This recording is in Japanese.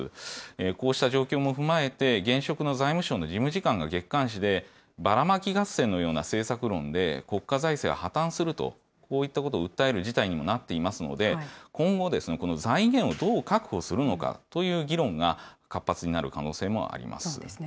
こうした状況も踏まえて、現職の財務省の事務次官が月刊誌で、バラマキ合戦のような政策論で、国家財政は破綻すると、こういったことを訴える事態にもなっていますので、今後、この財源をどう確保するのかという議論が、活発そうですね。